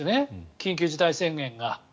緊急事態宣言が。